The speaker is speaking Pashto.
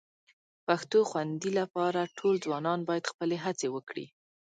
پښتو خوندي لپاره ټول ځوانان باید خپلې هڅې وکړي